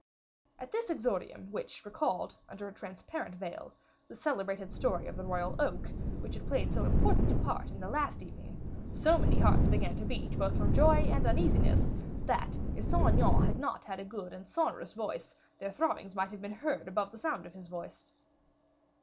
At this exordium, which recalled, under a transparent veil, the celebrated story of the royal oak, which had played so important a part in the last evening, so many hearts began to beat, both from joy and uneasiness, that, if Saint Aignan had not had a good and sonorous voice, their throbbings might have been heard above the sound of his voice.